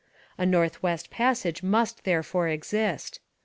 A North West Passage must therefore exist.